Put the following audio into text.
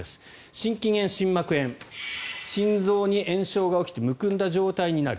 心筋炎、心膜炎とは心臓に炎症が起きてむくんだ状態になる。